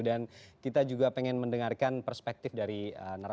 dan kita juga ingin mendengarkan perspektif dari negara